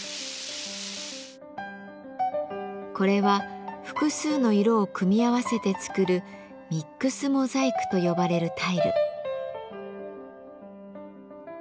これは複数の色を組み合わせて作るミックスモザイクと呼ばれるタイル。